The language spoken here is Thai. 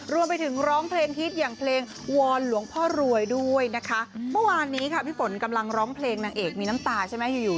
รวมไปถึงร้องเพลงฮิตอย่างเพลงวอนหลวงพ่อรวยด้วยนะคะเมื่อวานนี้ค่ะพี่ฝนกำลังร้องเพลงนางเอกมีน้ำตาใช่ไหมอยู่อยู่